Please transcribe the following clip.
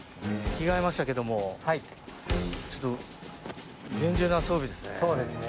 着替えましたけども厳重な装備ですね。